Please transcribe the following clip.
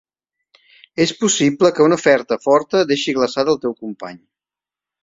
És possible que una oferta forta deixi glaçat al teu company.